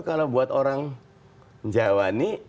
kalau buat orang jawa nih